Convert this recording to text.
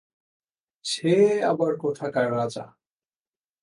সে আবার কোথাকার রাজা?